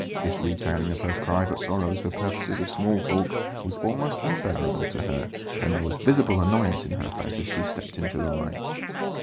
This retailing of her private sorrows for purposes of small talk was almost unbearable to her, and there was visible annoyance in her face as she stepped into the light.